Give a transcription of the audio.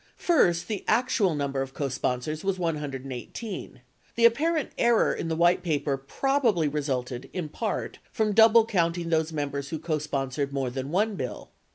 First, the actual number of cosponsors was 118; the apparent error in the White Paper probably resulted in part from double counting those members who cosponsored more than one bill.